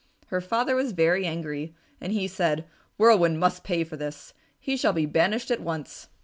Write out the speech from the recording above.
Her father was very angry, and he said, "Whirlwind must pay for this. He shall be banished at once."